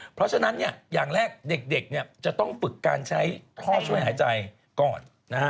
เพราะฉะนั้นอย่างแรกเด็กจะต้องฝึกการใช้ท่อช่วยหายใจก่อนนะฮะ